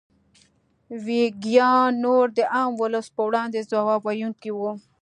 ویګیان نور د عام ولس په وړاندې ځواب ویونکي وو.